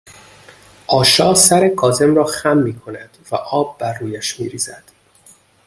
آشا سر کاظم را خم میکند و آب بر رویش میریزد